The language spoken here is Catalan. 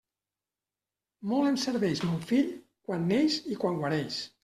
Molt em serveix mon fill, quan neix i quan guareix.